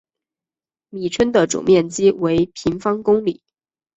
米村的总面积为平方公里。